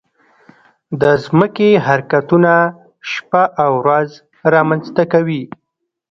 د ځمکې حرکتونه شپه او ورځ رامنځته کوي.